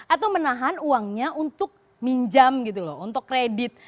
atau menahan uangnya untuk minjam gitu loh untuk kredit